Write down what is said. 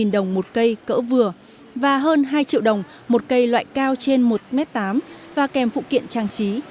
hai trăm năm mươi bảy trăm linh đồng một cây cỡ vừa và hơn hai triệu đồng một cây loại cao trên một m tám và kèm phụ kiện trang trí